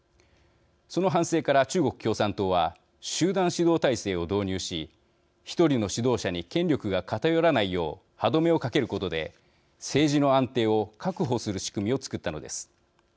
その反省から、中国共産党は集団指導体制を導入し１人の指導者に権力が偏らないよう歯止めをかけることで政治の安定を確保する仕組みを作ったのです。